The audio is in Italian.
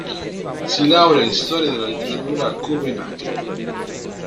Si laurea in storia della letteratura a Copenaghen.